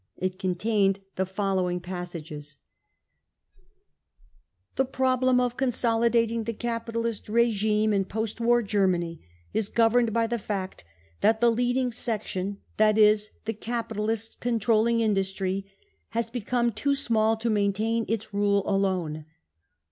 It contained the following passages: 39 * t3e path to power " The problem of*consolidating the capitalist^regime in ^ post war Germany is governed by the fact that the leading section, that is, the capitalists controlling Indus > try, has become too small to maintain its rule alone.